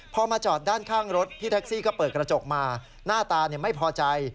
พอมาจอดด้านข้างรถพี่แท็กซี่ก็เปิดกระจกมาหน้าตาไม่พอใจ